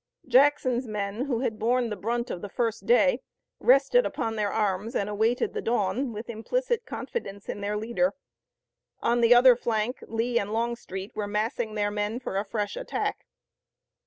Jackson's men, who had borne the brunt of the first day, rested upon their arms and awaited the dawn with implicit confidence in their leader. On the other flank Lee and Longstreet were massing their men for a fresh attack.